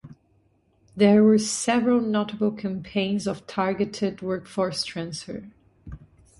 There were several notable campaigns of targeted workforce transfer.